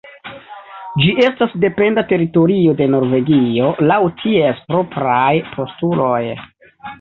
Ĝi estas dependa teritorio de Norvegio laŭ ties propraj postuloj.